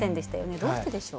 どうしてでしょう？